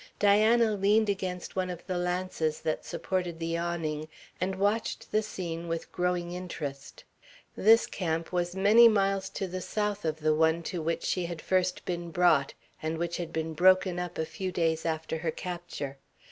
Diana leaned against one of the lances that supported the awning and watched the scene with growing interest. This camp was many miles to the south of the one to which she had first been brought, and which had been broken up a few days after her capture.